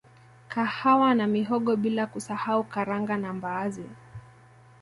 Kahawa na mihogo bila kusahau Karanga na mbaazi